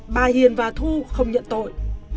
bà hiền và thu không nhận tội